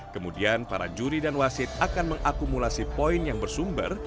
kemudian para juri dan wasit akan mengakumulasi poin yang bersumber